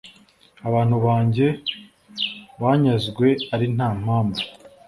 abantu banjye banyazwe ari nta mpamvu